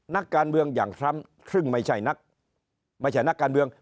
นักการเมืองอย่างทรัมป์ซึ่งไม่ใช่นักการเมือง